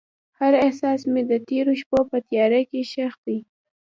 هر احساس مې د تیرو شپو په تیاره کې ښخ دی.